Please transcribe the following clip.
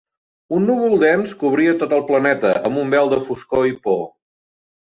Un núvol dens cobria tot el planeta amb un vel de foscor i por.